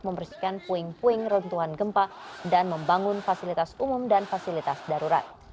membersihkan puing puing runtuhan gempa dan membangun fasilitas umum dan fasilitas darurat